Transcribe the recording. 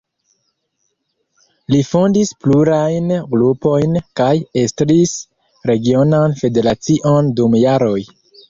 Li fondis plurajn grupojn kaj estris regionan federacion dum jaroj.